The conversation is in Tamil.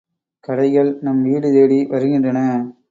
கடைகள் நம் வீடு தேடி வருகின்றன.